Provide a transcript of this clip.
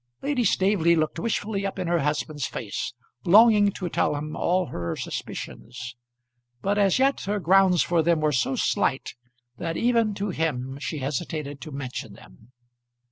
Lady Staveley looked wishfully up in her husband's face, longing to tell him all her suspicions. But as yet her grounds for them were so slight that even to him she hesitated to mention them.